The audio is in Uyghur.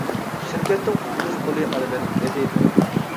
-شىركەتتىن قۇتقۇزۇش پۇلى ئالىمەن، -دېدى دادام.